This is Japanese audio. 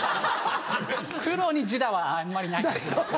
プロに自打はあんまりないです。